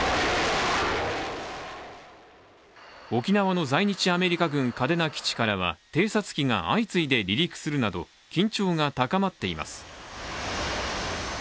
沖縄の在日アメリカ軍嘉手納基地からは偵察機が相次いで離陸するなど緊張が高まっています。